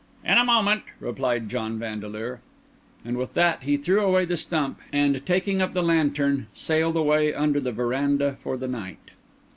"In a moment," replied John Vandeleur. And, with that, he threw away the stump and, taking up the lantern, sailed away under the verandah for the night.